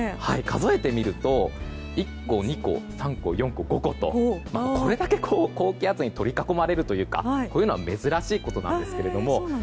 数えてみると５個とこれだけ高気圧に取り囲まれるというかこういうのは珍しいことなんですけれども。